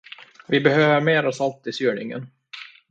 Vi behöver mera salt till syrningen.